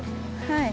はい！